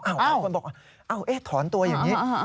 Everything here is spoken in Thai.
คนบอกเอ๊ะถอนตัวอย่างนี้